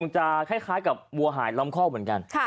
จะคล้ายกับวัวหายล้อมคอกเหมือนกัน